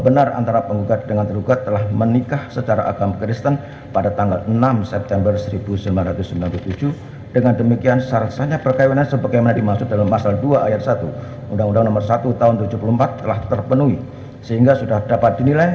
pertama penggugat akan menerjakan waktu yang cukup untuk menerjakan si anak anak tersebut yang telah menjadi ilustrasi